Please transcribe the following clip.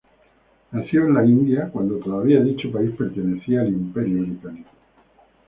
Nació en la India cuando todavía dicho país pertenecía al Imperio británico.